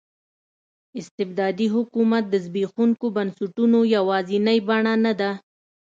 استبدادي حکومت د زبېښونکو بنسټونو یوازینۍ بڼه نه ده.